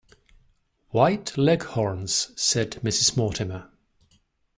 White Leghorns, said Mrs Mortimer.